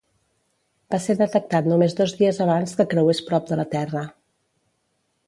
Va ser detectat només dos dies abans que creués prop de la Terra.